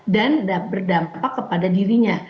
dan berdampak kepada dirinya